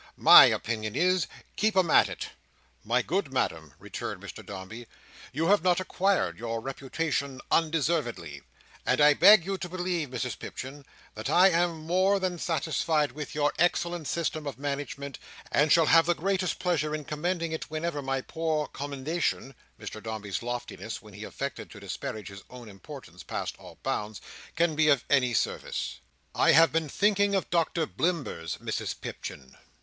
My opinion is 'keep 'em at it'." "My good madam," returned Mr Dombey, "you have not acquired your reputation undeservedly; and I beg you to believe, Mrs Pipchin, that I am more than satisfied with your excellent system of management, and shall have the greatest pleasure in commending it whenever my poor commendation—" Mr Dombey's loftiness when he affected to disparage his own importance, passed all bounds—"can be of any service. I have been thinking of Doctor Blimber's, Mrs Pipchin."